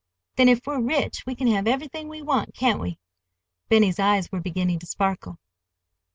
"Then, if we're rich we can have everything we want, can't we?" Benny's eyes were beginning to sparkle.